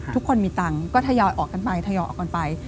ทุกคนมีตังค์ก็ทยอยออกกันไป